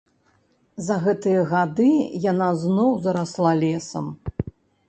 За гэтыя гады яна зноў зарасла лесам.